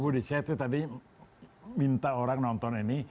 pak budi saya tuh tadi minta orang nonton ini